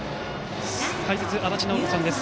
解説、足達尚人さんです。